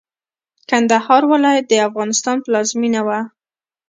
کندهار ولايت د افغانستان پلازمېنه وه.